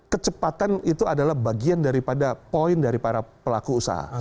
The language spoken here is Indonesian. kecepatan itu adalah bagian daripada poin dari para pelaku usaha